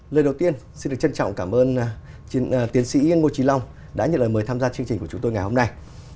lời đầu tiên xin được trân trọng cảm ơn tiến sĩ ngô trí long đã nhận lời mời tham gia chương trình của chúng tôi ngày hôm nay